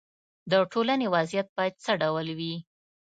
د ټولنې وضعیت باید څه ډول وي.